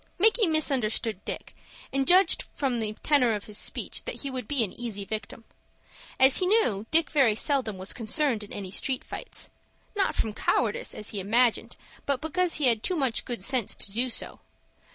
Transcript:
Micky misunderstood Dick, and judged from the tenor of his speech that he would be an easy victim. As he knew, Dick very seldom was concerned in any street fight,—not from cowardice, as he imagined, but because he had too much good sense to do so.